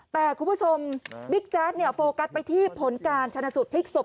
แต่คุณผู้ชมบิ๊กแจ๊ดโฟกัสไปที่ผลการชนะสูตรพลิกศพ